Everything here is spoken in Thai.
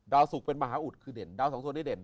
สุกเป็นมหาอุดคือเด่นดาวสองส่วนที่เด่น